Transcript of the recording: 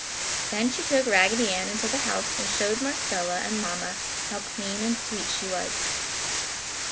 Then she took Raggedy Ann into the house and showed Marcella and Mamma how clean and sweet she was.